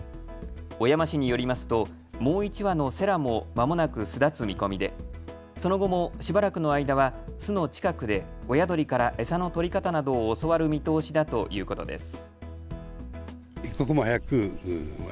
小山市によりますともう１羽のセラもまもなく巣立つ見込みでその後もしばらくの間は巣の近くで親鳥から餌の取り方などを教わる見通しだということです。